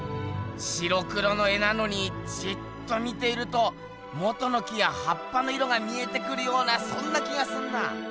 白黒の絵なのにじっと見ているともとの木やはっぱの色が見えてくるようなそんな気がすんなぁ。